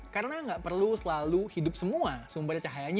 karena nggak perlu selalu hidup semua sumber cahayanya